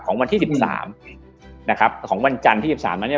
วันที่๑๓นะครับของวันจันทร์ที่๑๓นั้นเนี่ย